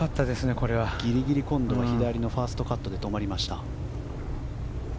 ギリギリ今度は左のファーストカットで止まりました。